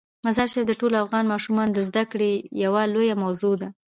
مزارشریف د ټولو افغان ماشومانو د زده کړې یوه لویه موضوع ده.